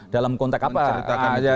dalam konteks apa